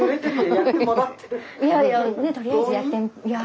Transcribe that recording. いやいやねえとりあえずやってみ。